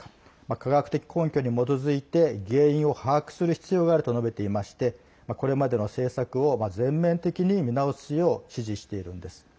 科学的根拠に基づいて原因を把握する必要があると述べていましてこれまでの政策を全面的に見直すよう指示しているんです。